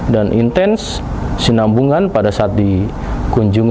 dan intens sinambungan pada saat dikunjungi